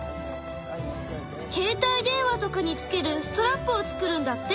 けいたい電話とかにつけるストラップを作るんだって。